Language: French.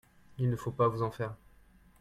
Il ne faut pas vous en faire.